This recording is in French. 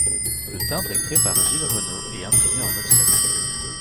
Le timbre est créé par Gilles Renaud et imprimé en offset.